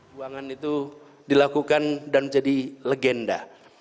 ruangan itu dilakukan dan menjadi legenda